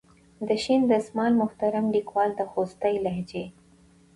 د شین دسمال محترم لیکوال د خوستي لهجې.